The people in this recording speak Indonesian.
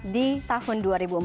di tahun dua ribu empat